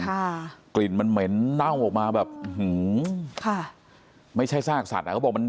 ค่ะกลิ่นมันเหม็นเน่าออกมาแบบอื้อหือค่ะไม่ใช่ซากสัตว์อ่ะเขาบอกมัน